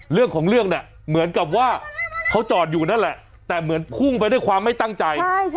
เรื่องของเรื่องเนี่ยเหมือนกับว่าเขาจอดอยู่นั่นแหละแต่เหมือนพุ่งไปด้วยความไม่ตั้งใจ